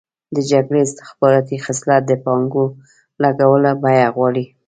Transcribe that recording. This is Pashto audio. د جګړې استخباراتي خصلت د پانګو لګولو بیه غواړي.